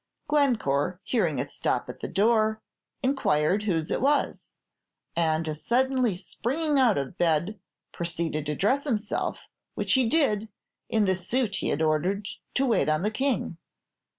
Glencore, hearing it stop at the door, inquired whose it was, and as suddenly springing out of bed, proceeded to dress himself, which he did, in the suit he had ordered to wait on the King.